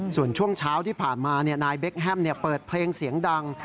ส่วนช่วงเช้าที่ผ่านมานายเบคแฮมเปิดเพลงเสียงดัง